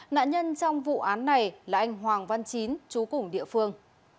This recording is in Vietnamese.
nạn nhân trong vụ án này là anh hoàng văn chín chú cùng địa phương